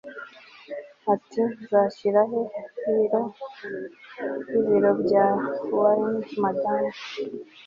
Ati Nzashyira he biro yibiro bya waln madamu